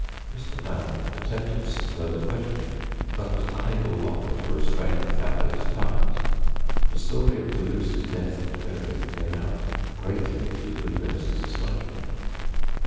Mr. Maren attempted some further questioning, but was unable longer to restrain the family's tongues; the story of Deluse's death and burial came out, greatly to the good minister's astonishment.